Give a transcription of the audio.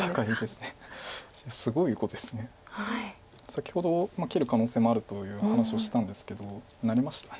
先ほど切る可能性もあるという話をしたんですけどなりました。